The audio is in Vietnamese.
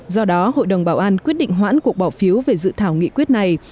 do đó hội đồng bảo an quyết định hoãn cuộc bỏ phiếu về dự thảo nghị quyết này